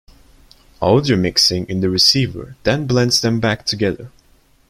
Audio mixing in the receiver then blends them back together.